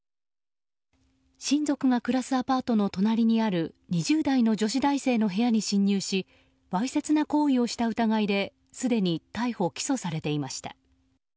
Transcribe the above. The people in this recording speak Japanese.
親族が暮らすアパートの隣にある２０代の女子大生の部屋に侵入しわいせつな行為をした疑いですでに逮捕・起訴されていました。